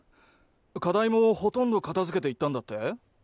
課題もほとんど片付けていったんだって？